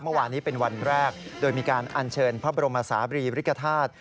เมื่อวานนี้เป็นวันแรกโดยมีการอัญเชิญพระบรมศาบรีบริกฐาตุ